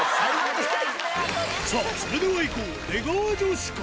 さあ、それではいこう、出川女子会。